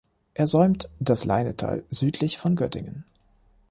Er säumt das Leinetal südlich von Göttingen.